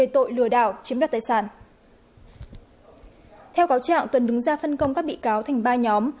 theo cáo trạng tuấn đứng ra phân công các bị cáo thành ba nhóm